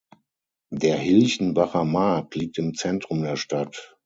Der Hilchenbacher Markt liegt im Zentrum der Stadt.